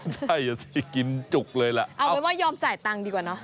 ใช่อ่ะสิกินจุกเลยล่ะเอาเป็นว่ายอมจ่ายตังค์ดีกว่าเนอะ